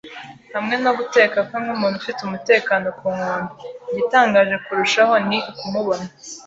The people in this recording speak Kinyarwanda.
hamwe no guteka kwe nkumuntu ufite umutekano ku nkombe. Igitangaje kurushaho ni ukumubona